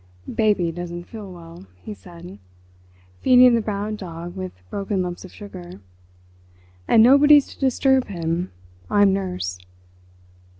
"Baby doesn't feel well," he said, feeding the brown dog with broken lumps of sugar, "and nobody's to disturb him—I'm nurse."